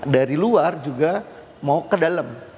dari luar juga mau ke dalam